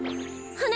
は